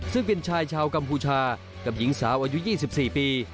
ซึ่งเป็นชายชาวกัมพูชากับหญิงสาวอายุ๒๔ปี